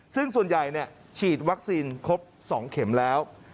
ซึ่งส่วนใหญ่ฉีดวัคซีนครบ๒เข็มแล้ว